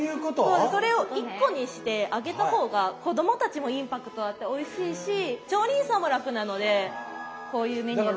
そうそれを１個にして揚げた方が子供たちもインパクトあっておいしいし調理員さんも楽なのでこういうメニューになります。